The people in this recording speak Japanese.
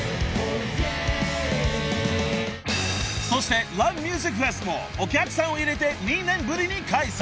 ［そして「ＬＯＶＥＭＵＳＩＣＦＥＳ」もお客さんを入れて２年ぶりに開催］